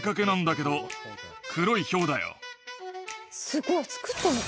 すごい作ったの？